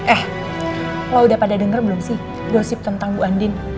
eh lo udah pada denger belum sih dosis tentang bu andin